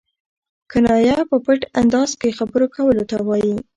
کنایه په پټ انداز کښي خبرو کولو ته وايي.